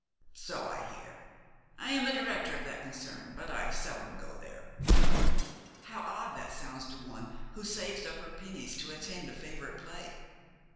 "So I hear. I am a director of that concern; but I seldom go there." "How odd that sounds to one who saves up her pennies to attend a favorite play!"